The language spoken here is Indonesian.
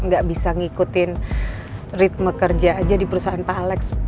gak bisa ngikutin ritme kerja aja di perusahaan pak alex pak